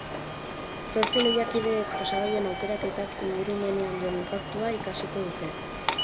Zortzi lehiakideek osagaien aukeraketak ingurumenean duen inpaktua ikasiko dute.